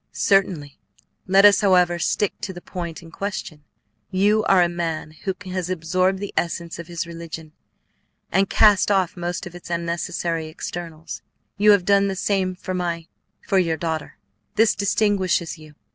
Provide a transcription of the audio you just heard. "Certainly. Let us, however, stick to the point in question. You are a man who has absorbed the essence of his religion, and cast off most of its unnecessary externals. You have done the same for my for your daughter. This distinguishes you.